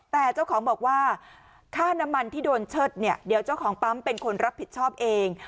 แต่เจ้าของบอกว่าค่าน้ำมันที่โดนเชิดเนี่ยเดี๋ยวเจ้าของปั๊มเป็นคนรับผิดชอบเอง